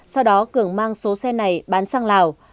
sau đó cường mang số xe này bán sang lào